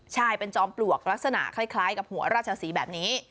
ใช่เป็นจอมปลวกลักษณะคล้ายกับหัวราชสีแบบนี้